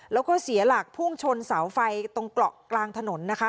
แล้วก็เสียหลักพุ่งชนเสาไฟตรงเกาะกลางถนนนะคะ